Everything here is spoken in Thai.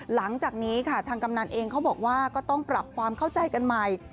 หลังจากนี้ค่ะทางกำนันเองเขาบอกว่าก็ต้องปรับความเข้าใจกันใหม่